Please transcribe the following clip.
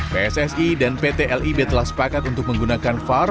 pssi dan pt lib telah sepakat untuk menggunakan var